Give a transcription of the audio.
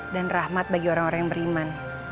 rahmat bagi orang orang yang beriman